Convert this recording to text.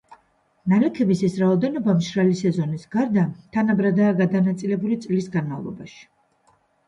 ნალექების ეს რაოდენობა მშრალი სეზონის გარდა, თანაბრადაა გადანაწილებული წლის განმავლობაში.